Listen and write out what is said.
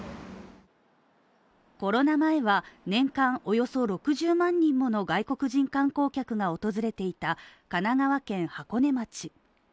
コロナ前は年間およそ６０万人もの外国人観光客が訪れていた神奈川県箱根町。